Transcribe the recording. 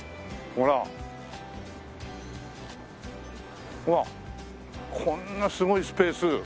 ほらっこんなすごいスペース！